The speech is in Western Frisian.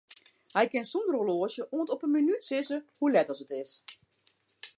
Hy kin sonder horloazje oant op 'e minút sizze hoe let as it is.